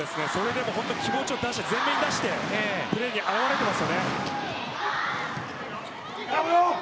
気持ちを前面に出してプレーに表れています。